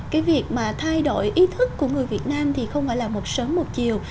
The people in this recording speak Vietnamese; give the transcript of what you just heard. cái việc mà thay đổi ý thức của người việt nam thì không phải là một sớm một chiều